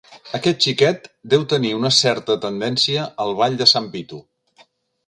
Aquest xiquet deu tenir una certa tendència al ball de sant Vito.